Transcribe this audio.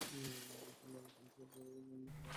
এখন মনে শান্তি আছে যে, আমার মহল আগের মতো থাকবে।